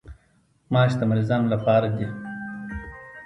ماش د مریضانو لپاره دي.